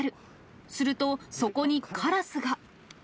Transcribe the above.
すると、そこにカラスが。